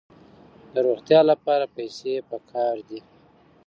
د روغتیا لپاره پیسې پکار دي.